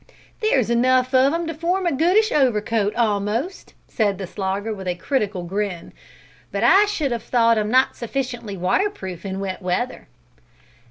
"There's enough of 'em to form a goodish overcoat a'most," said the Slogger with a critical grin, "but I should 'ave thought 'em not sufficiently waterproof in wet weather."